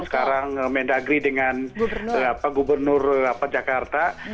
sekarang mendagri dengan gubernur jakarta